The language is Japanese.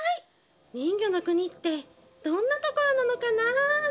人魚の国ってどんなところなのかなあ？